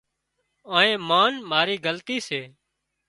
آنئين مان مارِي غلطي سي